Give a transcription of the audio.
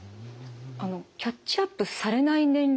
あのキャッチアップされない年齢